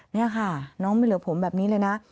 นี่ค่ะน้องไม่เหลือผมแบบนี้เลยนะ